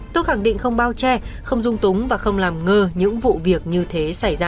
tôi khẳng định không bao che không dung túng và không làm ngờ những vụ việc như thế